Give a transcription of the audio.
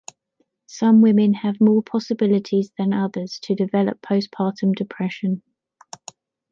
Some women have more possibilities than others to develop postpartum depression.